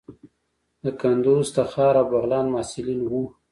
د کندوز، تخار او بغلان محصلین وو.